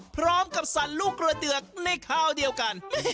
พร้อมกับศรั่งลูกเรือเดือกในข้าวเดียวกัน